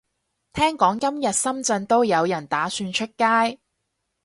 聽講今日深圳都有人打算出街